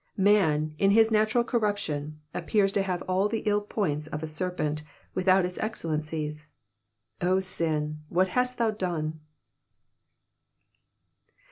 Man, in his natural corruption, appears to have all the ill points of a serpent without its excellences. O sin, what hast thou done